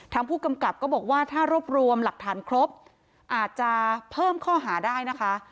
ผู้กำกับก็บอกว่าถ้ารวบรวมหลักฐานครบอาจจะเพิ่มข้อหาได้นะคะ